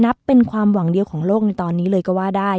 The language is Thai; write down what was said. นับเป็นความหวังเดียวของโลกในตอนนี้เลยก็ว่าได้